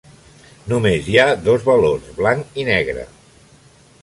Només hi ha dos valors: blanc i negre.